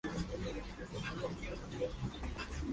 El parque eólico es el primero de su tipo en Colombia.